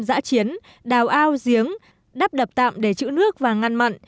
giã chiến đào ao giếng đắp đập tạm để chữ nước và ngăn mặn